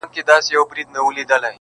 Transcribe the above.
• ناموسي دودونه اصل ستونزه ده ښکاره..